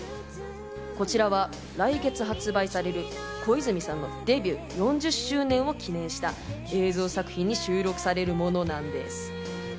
こちらは来月発売される小泉さんのデビュー４０周年を記念した映像作品に収録されるものなんです。